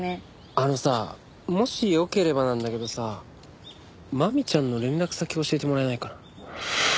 あのさもしよければなんだけどさマミちゃんの連絡先教えてもらえないかな？